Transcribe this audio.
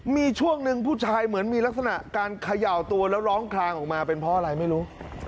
มีช่วงหนึ่งผู้ชายเหมือนมีลักษณะการเขย่าตัวแล้วร้องคลางออกมาเป็นเพราะอะไรไม่รู้